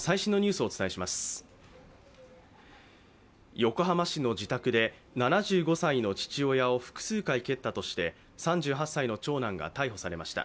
横浜市の自宅で７５歳の父親を複数回蹴ったとして３８歳の長男が逮捕されました。